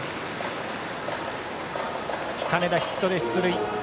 金田、ヒットで出塁。